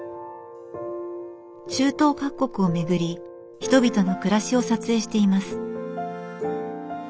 中東各国を巡り人々の暮らしを撮影しています。